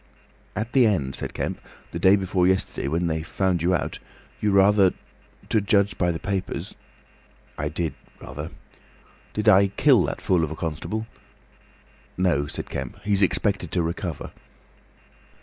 "At the end," said Kemp, "the day before yesterday, when they found you out, you rather—to judge by the papers—" "I did. Rather. Did I kill that fool of a constable?" "No," said Kemp. "He's expected to recover."